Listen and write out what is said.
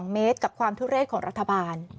๒เมตรกับความทุเรศของรัฐบาล